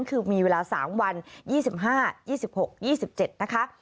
คือมีเวลา๓วัน๒๕๒๖๒๗นะคะ